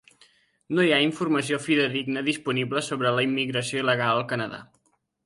No hi ha informació fidedigna disponible sobre la immigració il·legal al Canadà.